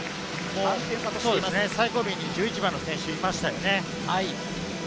最後尾に１１番の選手がいましたね。